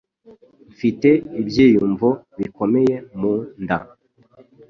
Mfite ibyiyumvo bikomeye mu nda.